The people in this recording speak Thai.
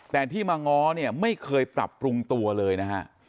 แต่ที่มาง้อเนี่ยไม่เคยปรับปรุงตัวเลยนะฮะ